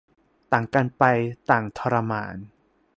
ต่างกันไป ต่างทรมาน